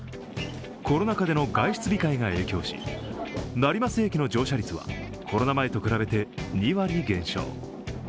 コロナ禍での外出控えが影響し成増駅の乗車率はコロナ前と比べて２割減少。